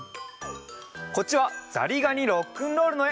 こっちは「ざりがにロックンロール」のえ！